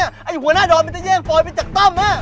ย่ากว่าหัวหน้าดอทมันจะแย่งโฟย์ไปจากต้อมฮะ